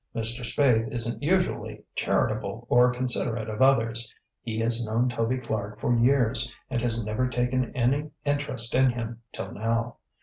Mr. Spaythe isn't usually charitable or considerate of others; he has known Toby Clark for years and has never taken any interest in him till now.